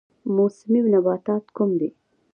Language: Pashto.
موسمي نباتات کوم دي؟